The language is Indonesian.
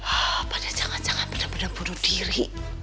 apa dia jangan jangan bener bener bunuh diri